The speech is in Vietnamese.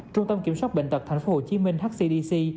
trung tâm kiểm soát bệnh tật tp hcm hcdc